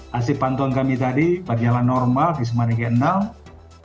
hasil pantauan kami tadi berjalan normal di semarang